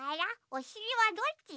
おしりはどっち？